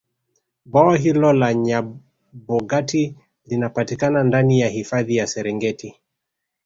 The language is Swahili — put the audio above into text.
bwawa hilo la nyabogati linapatikana ndani ya hifadhi ya serengeti